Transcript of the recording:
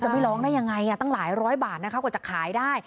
ไม่ร้องได้ยังไงตั้งหลายร้อยบาทนะคะกว่าจะขายได้